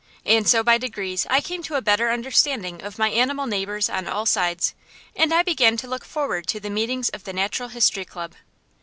And so by degrees I came to a better understanding of my animal neighbors on all sides, and I began to look forward to the meetings of the Natural History Club.